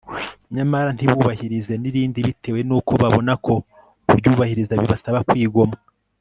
nyamara ntibubahirize n'irindi bitewe n'uko babona ko kuryubahiriza bibasaba kwigomwa